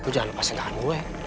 lo jangan lepasin tangan gue